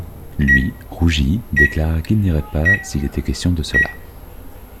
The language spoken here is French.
Lui, rougit, déclara qu’il n’irait pas, s’il était question de cela.